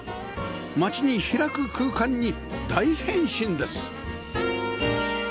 街に開く空間に大変身です